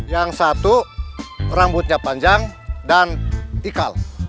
yang satu rambutnya panjang dan ikal